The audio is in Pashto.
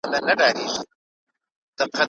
یو خوا ډانګ دی بلخوا پړانګ دی.